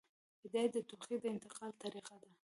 هدایت د تودوخې د انتقال طریقه ده.